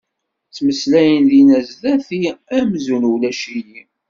Ttmeslayen dinna sdat-i amzun ulac-iyi.